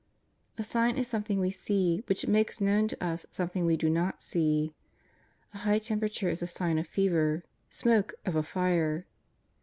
A sign is something we see which makes known to us something we do not see. A high temperature is a sign of fever ; smoke, of a fire.